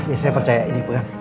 iya saya percaya ini pegang